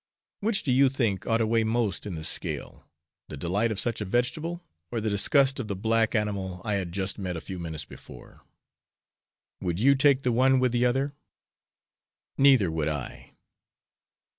Which do you think ought to weigh most in the scale, the delight of such a vegetable, or the disgust of the black animal I had just met a few minutes before? Would you take the one with the other? Neither would I.